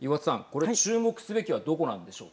これ注目すべきははい。